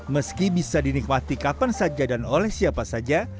meski bisa dinikmati kapan saja dan oleh siapa saja